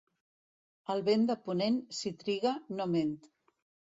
El vent de ponent, si triga, no ment.